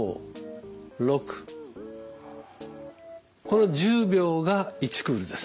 この１０秒が１クールです。